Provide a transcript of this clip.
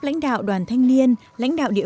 lãnh đạo đoàn thanh niên lãnh đạo địa